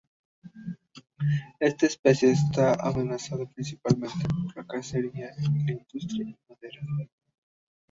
Esta especie está amenazada principalmente por la cacería y la industria maderera.